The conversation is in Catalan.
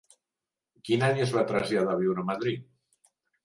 Quin any es va traslladar a viure a Madrid?